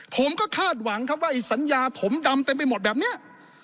คาดหวังครับว่าไอ้สัญญาถมดำเต็มไปหมดแบบนี้